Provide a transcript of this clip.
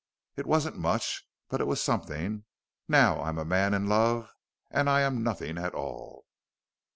It wasn't much, but it was something. Now I am a man in love. And I am nothing at all.